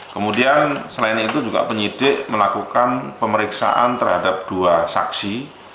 kemudian selain itu juga penyidik melakukan pemeriksaan terhadap dua saksi